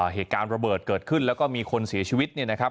เหตุการณ์ระเบิดเกิดขึ้นแล้วก็มีคนเสียชีวิตเนี่ยนะครับ